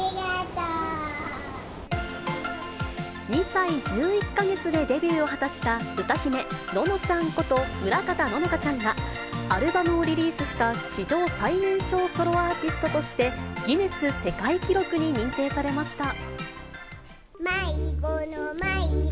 ２歳１１か月でデビューを果たした歌姫、ののちゃんこと村方乃々佳ちゃんが、アルバムをリリースした史上最年少ソロアーティストとしてギネス世界記録に認定されました。